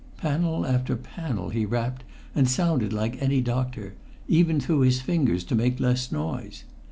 Panel after panel he rapped and sounded like any doctor, even through his fingers to make less noise!